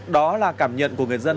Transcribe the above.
đó là cảm nhận của người dân